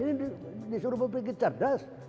ini disuruh pemikir cerdas